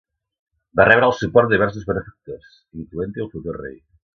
Va rebre el suport de diversos benefactors, incloent-hi el futur rei.